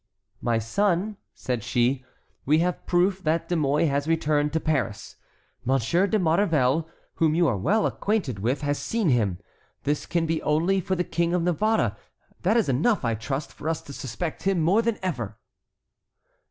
"My son," said she, "we have proof that De Mouy has returned to Paris. Monsieur de Maurevel, whom you are well acquainted with, has seen him. This can be only for the King of Navarre. That is enough, I trust, for us to suspect him more than ever."